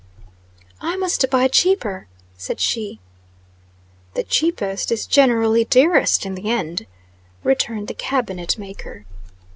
"I must buy cheaper," said she. "The cheapest is generally dearest in the end," returned the cabinet maker.